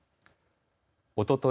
おととい